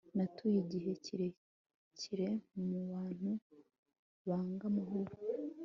natuye igihe kirekiremu bantu banga amahoro